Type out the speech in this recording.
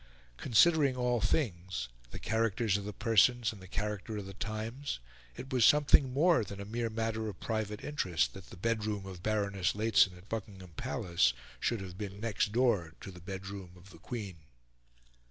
Considering all things the characters of the persons, and the character of the times it was something more than a mere matter of private interest that the bedroom of Baroness Lehzen at Buckingham Palace should have been next door to the bedroom of the Queen.